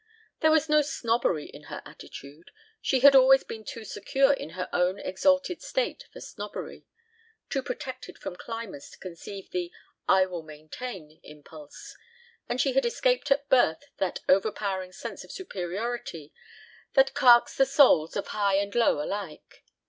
There was no snobbery in her attitude. She had always been too secure in her own exalted state for snobbery, too protected from climbers to conceive the "I will maintain" impulse, and she had escaped at birth that overpowering sense of superiority that carks the souls of high and low alike.